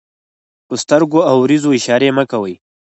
په سترګو او وريځو اشارې مه کوئ!